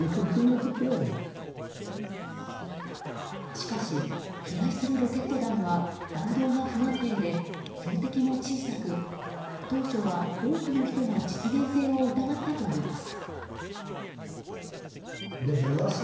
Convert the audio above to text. しかし、飛来するロケット弾は弾道が不安定で標的も小さく当初は多くの人が実現性を疑ったといいます。